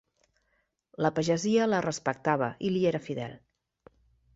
La pagesia la respectava i li era fidel.